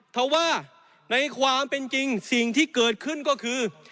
เพราะว่าในความเป็นจริงสิ่งที่เกิดขึ้นก็คือ